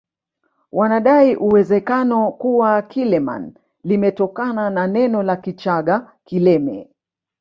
Wanadai uwezekano kuwa Kileman limetokana na neno la Kichaga kileme